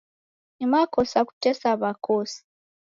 Ni makosa kutesa w'akosi.